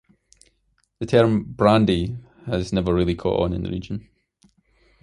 The term "brandy" has never really caught on in the region.